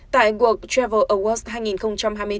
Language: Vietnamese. tại cuộc travel awards hai nghìn hai mươi bốn